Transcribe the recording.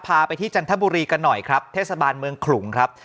พาไปที่จันทบุรีกันหน่อยครับเทศบาลเมืองขลุงครับ